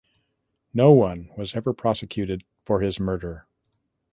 No one was ever prosecuted for his murder.